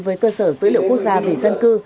với cơ sở dữ liệu quốc gia về dân cư